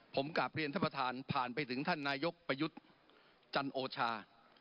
ผมกลับเรียนท่านประธานผ่านไปถึงท่านนายกประยุทธ์จันโอชา